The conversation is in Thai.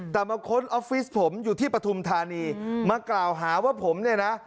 แต่มาค้นออฟฟิศผมอยู่ที่ปฐุมธานีมากล่าวหาว่าผมเนี่ยนะ